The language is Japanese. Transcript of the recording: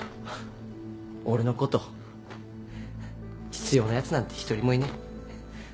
俺のこと必要なやつなんて一人もいねえ。